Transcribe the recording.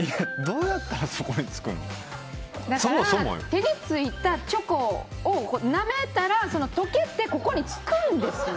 手についたチョコをなめたら溶けてここにつくんですよ。